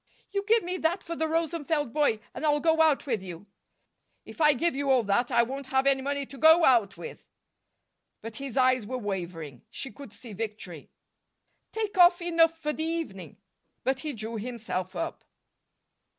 "You give me that for the Rosenfeld boy, and I'll go out with you." "If I give you all that, I won't have any money to go out with!" But his eyes were wavering. She could see victory. "Take off enough for the evening." But he drew himself up.